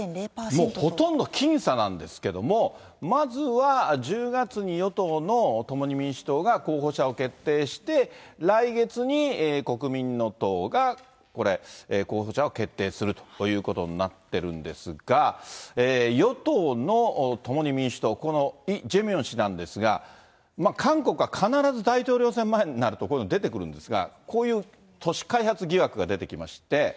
もうほとんど僅差なんですけども、まずは１０月に、与党の共に民主党が候補者を決定して、来月に国民の党がこれ、候補者を決定するということになっているんですが、与党の共に民主党、このイ・ジェミョン氏なんですが、韓国は必ず大統領選前になるとこういうの出てくるんですが、こういう都市開発疑惑が出てきまして。